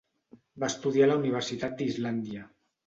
Va estudiar a la Universitat d'Islàndia.